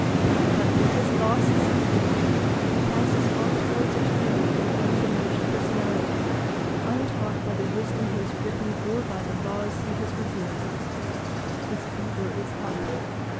But, because loss is his gain, he passes on towards eternity in undiminished personality, untaught by the wisdom he has written or by the laws he has revealed. His beaver is up.